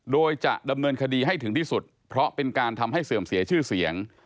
โดยจะดำเนินคดีให้ถึงที่สุดเพราะเป็นการทำให้เสื่อมเสียชื่อเสียง